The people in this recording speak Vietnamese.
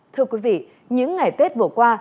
thưa quý vị những ngày tết vừa qua